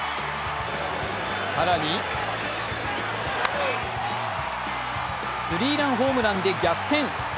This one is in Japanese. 更にスリーランホームランで逆転。